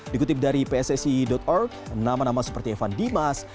dikutip dari pssc org nama nama seperti evan dimas